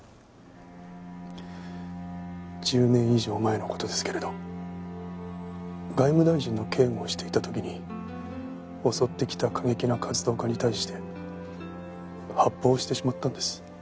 １０年以上前の事ですけれど外務大臣の警護をしていた時に襲ってきた過激な活動家に対して発砲してしまったんです。